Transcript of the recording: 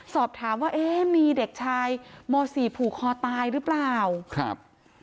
สอบถามว่าเอ๊ะมีเด็กชายมสี่ผูกคอตายหรือเปล่าครับ